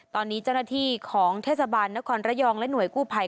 ตอนนี้เจ้าหน้าที่ของเทศบาลนครระยองและหน่วยกู้ภัย